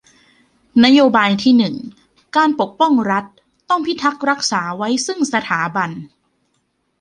นโยบายที่หนึ่งการปกป้อง รัฐต้องพิทักษ์รักษาไว้ซึ่งสถาบัน